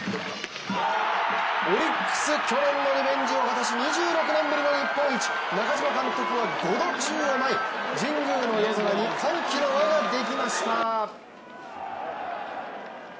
オリックス、去年のリベンジを果たし２６年ぶりの日本一中嶋監督は５度宙を舞い、神宮の夜空に歓喜の輪ができました！